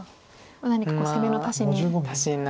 何か攻めの足しに。